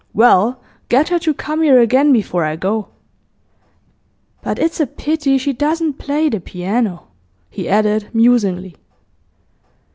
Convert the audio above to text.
Well, get her to come here again before I go. But it's a pity she doesn't play the piano,' he added, musingly.